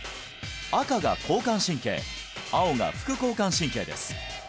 赤が交感神経青が副交感神経です